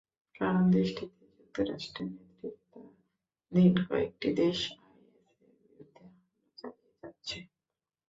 কারণ দেশটিতে যুক্তরাষ্ট্রের নেতৃত্বাধীন কয়েকটি দেশ আইএসের বিরুদ্ধে হামলা চালিয়ে যাচ্ছে।